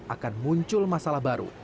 akan muncul masalah baru